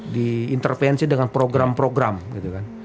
di intervensi dengan program program gitu kan